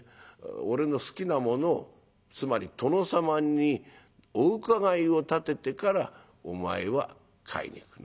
俺の好きなものをつまり殿様にお伺いを立ててからお前は買いに行く」。